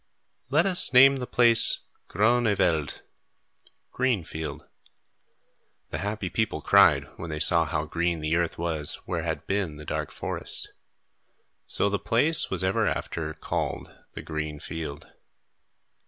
"Let us name the place Groen e' veld" (Green Field), the happy people cried, when they saw how green the earth was where had been the dark forest. So the place was ever after called the Green Field.